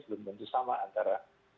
belum tentu sama antara